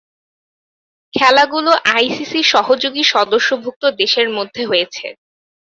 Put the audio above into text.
খেলাগুলো আইসিসি সহযোগী সদস্যভূক্ত দেশের মধ্যে হয়েছে।